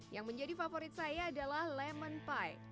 yang menjadi favorit saya adalah lemon pie